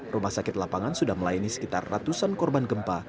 rumah sakit lapangan sudah melayani sekitar ratusan korban gempa